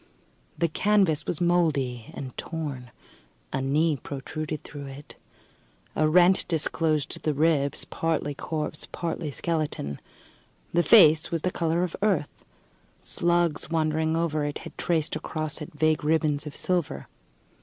The canvas was mouldy and torn. A knee protruded through it. A rent disclosed the ribs partly corpse, partly skeleton. The face was the colour of earth; slugs, wandering over it, had traced across it vague ribbons of silver.